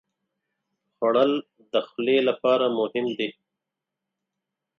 خوړل د خولې لپاره مهم دي